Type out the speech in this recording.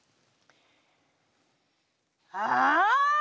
ああ？